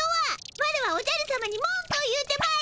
ワラワおじゃるさまにもんくを言うてまいる！